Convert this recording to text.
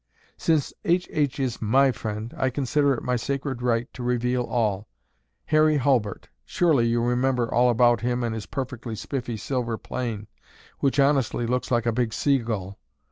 "Since H. H. is my friend, I consider it my sacred right to reveal all. Harry Hulbert, surely you remember all about him and his perfectly spiffy silver plane, which honestly looks like a big seagull.